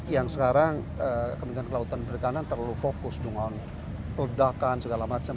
yang sekarang kementerian kelautan perikanan terlalu fokus dengan peledakan segala macam